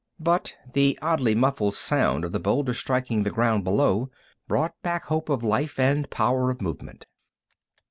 But the oddly muffled sound of the boulder striking the ground below brought back hope of life and power of movement.